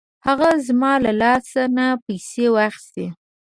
هغه زما له لاس نه پیسې واخیستې.